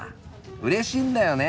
うれしいんだよね